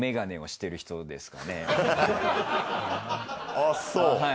あぁそう。